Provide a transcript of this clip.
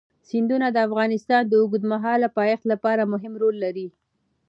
سیندونه د افغانستان د اوږدمهاله پایښت لپاره مهم رول لري.